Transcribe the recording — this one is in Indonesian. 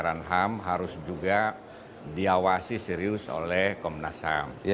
jadi peranggaran ham harus juga diawasi serius oleh komnas ham